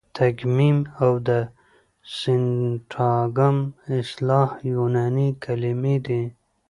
تګمیم او د سینټاګم اصطلاح یوناني کلیمې دي.